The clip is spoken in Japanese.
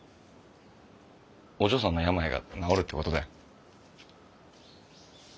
お嬢さんの病が治るって事だよ。